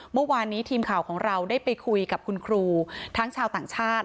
เมื่อวานนี้ทีมข่าวของเราได้ไปคุยกับคุณครูทั้งชาวต่างชาติ